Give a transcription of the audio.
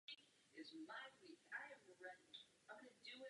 Na půdu není náročný.